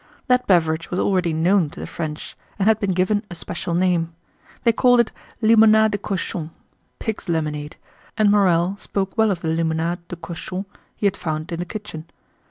That beverage was already known to the French and had been given a special name. They called it limonade de cochon (pig's lemonade), and Morel spoke well of the limonade de cochon he had found in the kitchen.